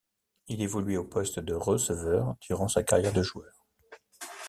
Il évoluait au poste de receveur durant sa carrière de joueur.